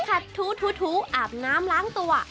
ขัดถูอาบน้ำล้างตัว